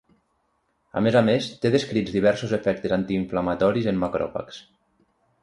A més a més, té descrits diversos efectes antiinflamatoris en macròfags.